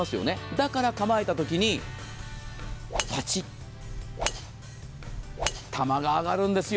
だから構えたときにパチっと、球が上がるんですよ。